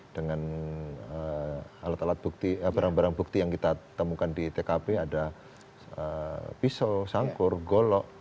dengan alat alat bukti barang barang bukti yang kita temukan di tkp ada pisau sangkur golok